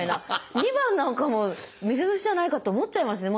２番なんかも水虫じゃないかと思っちゃいますね。